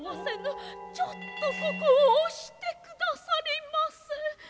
ちょっとここを押してくださりませ。